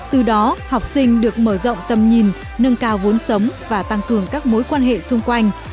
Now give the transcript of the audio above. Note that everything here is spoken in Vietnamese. từ đó học sinh được mở rộng tầm nhìn nâng cao vốn sống và tăng cường các mối quan hệ xung quanh